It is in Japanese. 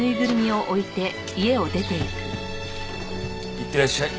いってらっしゃい。